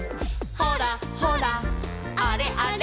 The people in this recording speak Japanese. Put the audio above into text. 「ほらほらあれあれ」